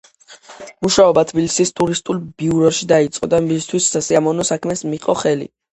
მუშაობა თბილისის ტურისტულ ბიუროში დაიწყო და მისთვის სასიამოვნო საქმეს მიჰყო ხელი.